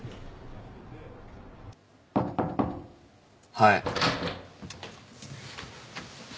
・はい。